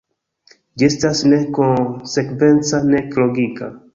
Ĝi estas nek konsekvenca nek logika.